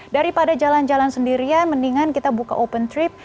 daripada jalan jalan sendirian mendingan kita buka open trip